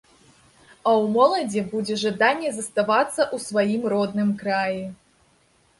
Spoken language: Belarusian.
А ў моладзі будзе жаданне заставацца ў сваім родным краі.